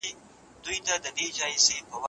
هغې خپل لاس د سکرین په لور غځولی و.